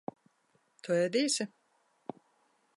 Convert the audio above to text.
Tu ēdīsi?